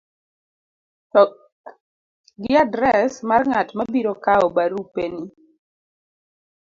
gi adres mar ng'at ma biro kawo barupeni,